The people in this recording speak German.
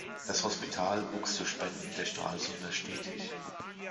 Das Hospital wuchs durch Spenden der Stralsunder stetig.